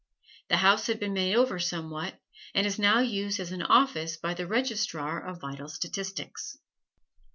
The house had been made over somewhat, and is now used as an office by the Registrar of Vital Statistics.